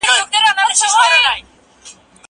زه به اوږده موده کتابتون ته تللی وم!!